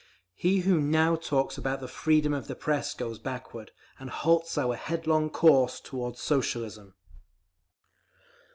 He who now talks about the 'freedom of the Press' goes backward, and halts our headlong course toward Socialism.